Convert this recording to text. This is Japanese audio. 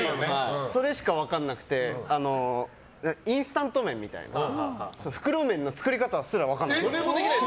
それしか分かんなくてインスタント麺みたいな袋麺の作り方すら分からなかった。